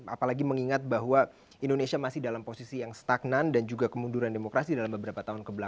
apalagi mengingat bahwa indonesia masih dalam posisi yang stagnan dan juga kemunduran demokrasi dalam beberapa tahun kebelakang